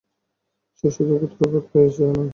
সে শুধু গোত্রপতিই নয়।